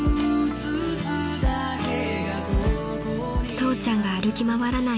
［父ちゃんが歩き回らない